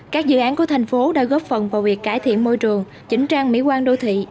các dự án của thành phố đã góp phần vào việc cải thiện môi trường chỉnh trang mỹ quan đô thị